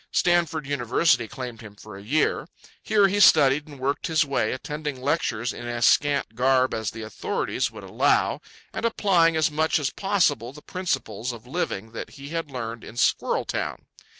Stanford University claimed him for a year. Here he studied and worked his way, attending lectures in as scant garb as the authorities would allow and applying as much as possible the principles of living that he had learned in squirrel town.